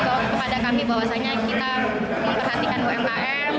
pak selak menyatakan kepada kami bahwasannya kita memperhatikan umkm